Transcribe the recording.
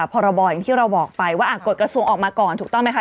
พรบอย่างที่เราบอกไปว่ากฎกระทรวงออกมาก่อนถูกต้องไหมคะ